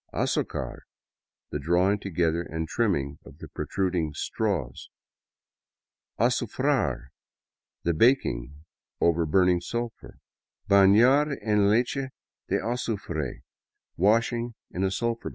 " Azocar" — the drawing together and trimming of the protruding " straws." " Azufrar "— the baking over burning sulphur. " Bahar en leche de azufre "— washing in a sulphur bath.